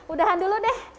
udahan dulu deh